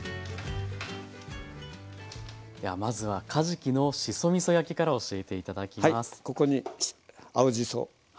ではまずはかじきのしそみそ焼きから教えて頂きます。